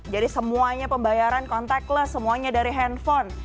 jadi semuanya pembayaran contactless semuanya dari handphone